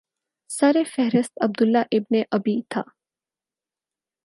سر فہرست عبداللہ ابن ابی تھا